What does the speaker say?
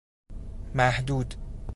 محدود